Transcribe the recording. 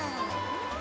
うん！